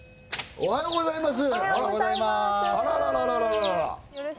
おはようございます！